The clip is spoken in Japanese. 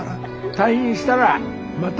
退院したらまた。